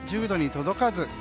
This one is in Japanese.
１０度に届かず。